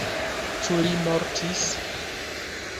Ĉu li mortis?